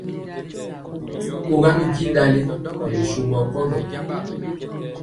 Kogam jwi ɗali nɛ bisombɔ kɔndɔ.